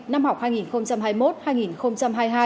năm học hai nghìn hai mươi một hai nghìn hai mươi hai